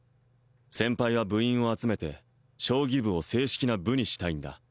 先輩は部員を集めて将棋部を正式な部にしたいんだ